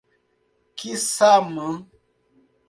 Quissamã